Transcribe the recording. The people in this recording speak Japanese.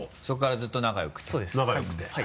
そこからずっと仲良くて？